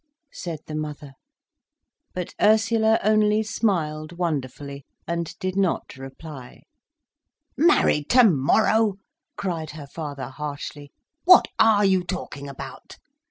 said the mother. But Ursula only smiled wonderfully, and did not reply. "Married tomorrow!" cried her father harshly. "What are you talking about."